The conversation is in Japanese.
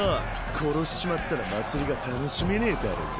殺しちまったら祭りが楽しめねぇだろが。